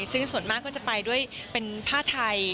ซึ่งส่วนมากก็จะไปด้วยเป็นผ้าไทย